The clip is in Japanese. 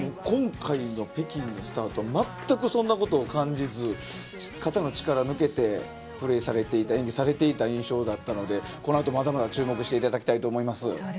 今回の北京のスタートはまったくそんなことを感じず肩の力抜けてプレーされていた印象だったのでこの後まだまだ注目していただきたいと思います。